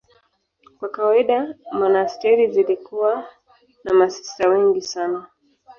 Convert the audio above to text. Kwa kawaida monasteri zilikuwa na masista wengi sana.